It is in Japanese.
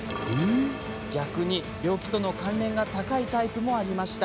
逆に病気との関連が高いタイプもありました。